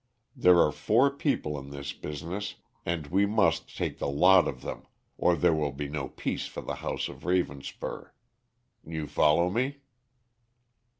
There are four people in this business, and we must take the lot of them, or there will be no peace for the house of Ravenspur. You follow me?"